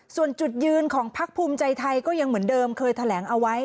ส่วนจุดยืนของพักภูมิใจไทยก็ยังเหมือนเดิมเคยแถลงเอาไว้